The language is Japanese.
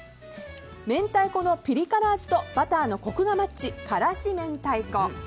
明太子のピリ辛味とバターのコクがマッチからし明太子。